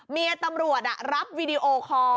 เมียตำรวจรับวีดีโอคอร์